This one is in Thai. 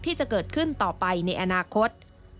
ที่จะเกิดขึ้นต่อไปในอนาคต